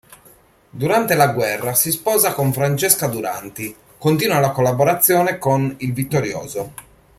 Durante la guerra si sposa con Francesca Duranti; continua la collaborazione con "Il Vittorioso".